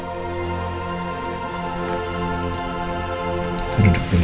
menurutmu bagaimana kalo dia sudah nunggu